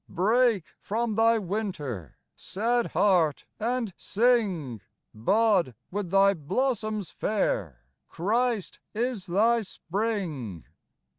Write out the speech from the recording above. Break from thy winter, Sad heart, and sing !* Bud with thy blossoms fair : Christ is thy spring.